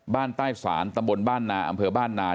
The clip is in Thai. บ้านใต้ศาลตำบลบ้านนาอำเภอบ้านนา